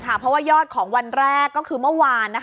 เพราะว่ายอดของวันแรกก็คือเมื่อวาน